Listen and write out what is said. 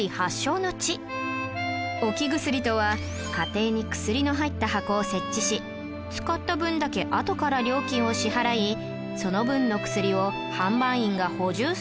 置き薬とは家庭に薬の入った箱を設置し使った分だけあとから料金を支払いその分の薬を販売員が補充するという仕組み